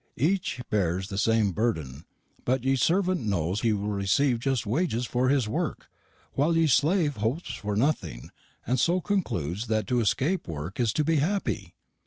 Eche bears the same burden; butt ye servent knows he will recieve just wages for his work, wile ye slave hopes for nothing, and so conkludes that to escape work is to be happy!'